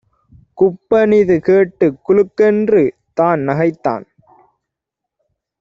குப்பனிது கேட்டுக் குலுக்கென்று தான்நகைத்தான்.